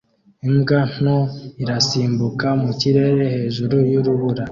Imbwa nto irasimbuka mu kirere hejuru y'urubura